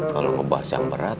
kalau ngebahas yang berat